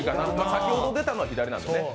先ほど出たのは左なんですね。